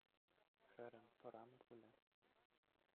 Хӗрӗм, тӑран пулӗ.